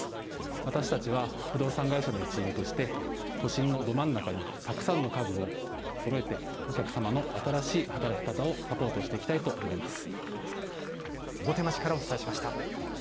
私たちは不動産会社の一員として、都心のど真ん中にたくさんの家具をそろえて、お客様の新しい働き方をサポートしていきたいと思い大手町からお伝えしました。